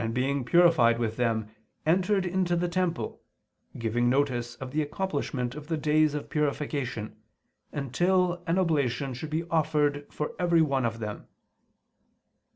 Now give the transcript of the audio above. . being purified with them, entered into the temple, giving notice of the accomplishment of the days of purification, until an oblation should be offered for every one of them."